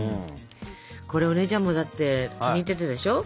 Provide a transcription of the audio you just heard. これお姉ちゃんもだって気に入ってたでしょ？